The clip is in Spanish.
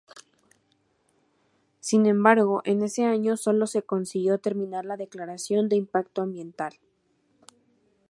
Sin embargo, en ese año solo se consiguió terminar la Declaración de Impacto Ambiental.